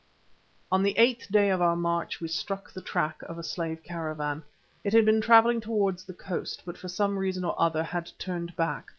On the eighth day of our march we struck the track of a slave caravan. It had been travelling towards the coast, but for some reason or other had turned back.